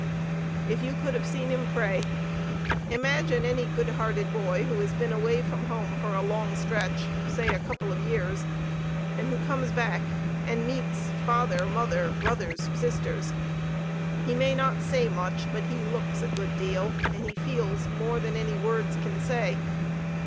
If you could have seen him pray! Imagine any good hearted boy who has been away from home for a long stretch, say a couple of years, and who comes back and meets father, mother, brothers, sisters. He may not say much, but he LOOKS a good deal, and he feels more than any words can say.